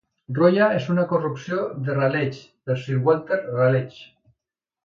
Rolla és una corrupció de Raleigh, per Sir Walter Raleigh.